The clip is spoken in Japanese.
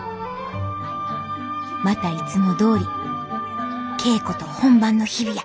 またいつもどおり稽古と本番の日々や！